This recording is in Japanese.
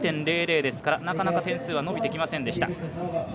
１７．００ですから、なかなか点数は伸びてきませんでした。